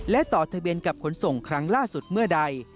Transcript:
และต่อทะเบียนกับขนส่งครั้งล่าสุดเมื่อใด